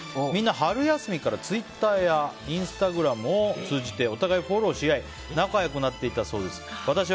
みんな、春休みからツイッターやインスタグラムを通じてお互いをフォローし合い仲良くなっていたそうです。